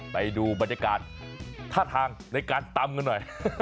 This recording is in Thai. ไปดูบรรยากาศท่าทางในการตำกันหน่อย